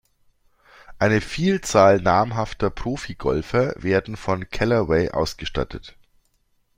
Eine Vielzahl namhafter Profigolfer werden von Callaway ausgestattet.